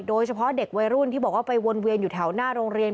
โดยเฉพาะเด็กวัยรุ่นที่บอกว่าไปวนเวียนอยู่แถวหน้าโรงเรียน